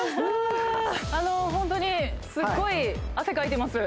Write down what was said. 本当にすっごい汗かいてます